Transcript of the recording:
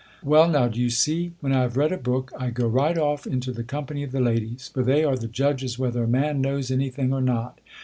• Well now, do you see, when I have read a book, I go right off into the company of the ladies ; for they are fhe judges whether a man knows any thing or not.